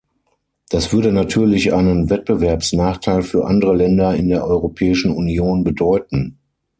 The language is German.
Das würde natürlich einen Wettbewerbssnachteil für andere Länder in der Europäischen Union bedeuten.